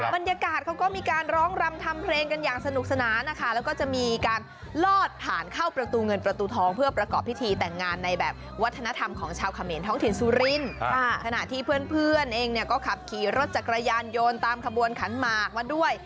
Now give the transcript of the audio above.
บรรยากาศเขาก็มีการร้องรำทำเพลงกันอย่างสนุกสนานนะคะแล้วก็จะมีการลอดผ่านเข้าประตูเงินประตูทองเพื่อประกอบพิธีแต่งงานในแบบวัฒนธรรมของชาวเขมรท้องถิ่นสุรินทร์ขณะที่เพื่อนเองเนี่ยก็ขับขี่รถจักรยานโยนตามขบวนขันหมากมาด้วย